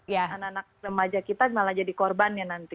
dan anak anak remaja kita malah jadi korbannya nanti